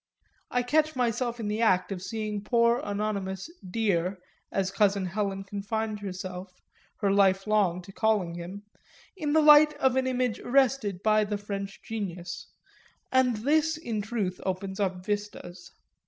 I catch myself in the act of seeing poor anonymous "Dear," as cousin Helen confined herself, her life long, to calling him, in the light of an image arrested by the French genius, and this in truth opens up vistas.